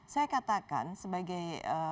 saya katakan sebagai